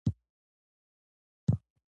د وینې فشار یوه خاموشه ناروغي ده